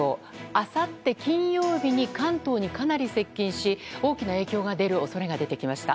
あさって金曜日に関東にかなり接近し大きな影響が出る恐れが出てきました。